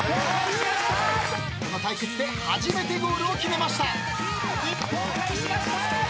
［この対決で初めてゴールを決めました］